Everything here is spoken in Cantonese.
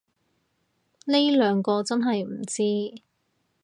呢兩個真係唔知